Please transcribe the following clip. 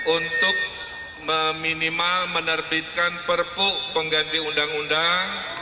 untuk minimal menerbitkan perpuk pengganti undang undang